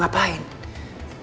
sok berkuasa kena kesepuluhan